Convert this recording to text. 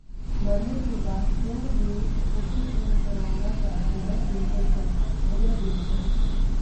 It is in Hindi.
मरने के बाद क्यों ये फोटो फ्रेम करवाना चाहती हैं ट्विंकल खन्ना? वजह दिलचस्प